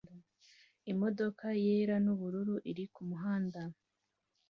Imodoka yera nubururu iri kumuhanda